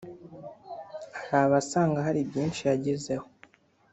hari abasanga hari byinshi yagezeho